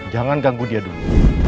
jangan ganggu dia dulu